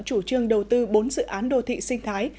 chủ trương đầu tư bốn dự án đô thị sinh thái